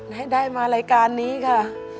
ให้ได้มารายการนี้ค่ะ